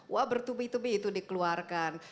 wah bertubi tubi itu dikeluarkan